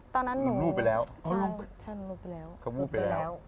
ตอนนั้นหนูใช่ฉันรู้ไปแล้ว